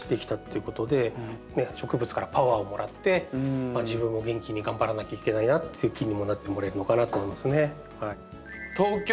植物からパワーをもらって自分も元気に頑張らなきゃいけないなっていう気にもなってもらえるかなと思いますね。